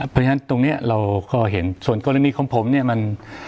เพราะฉะนั้นตรงนี้เราก็เห็นส่วนกรณีของผมเนี่ยมัน